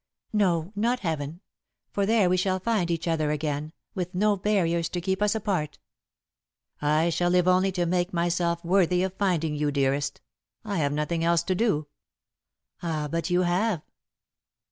"No, not heaven, for there we shall find each other again, with no barriers to keep us apart." "I shall live only to make myself worthy of finding you, dearest. I have nothing else to do." "Ah, but you have."